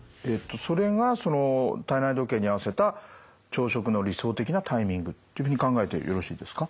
それがその体内時計に合わせた朝食の理想的なタイミングというふうに考えてよろしいですか？